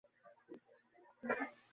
সত্যং মৃদু প্রিয়ং ধীরো বাক্যং হিতকরং বদেৎ।